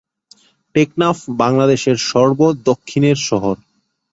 টেকনাফ বাংলাদেশের সর্ব দক্ষিণের শহর।